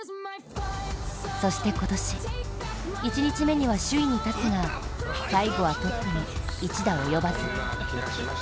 そして、今年そして今年、１日目には首位に立つが、最後はトップに１打及ばず。